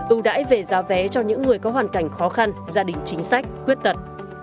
ưu đãi về giá vé cho những người có hoàn cảnh khó khăn gia đình chính sách khuyết tật